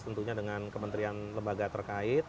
tentunya dengan kementerian lembaga terkait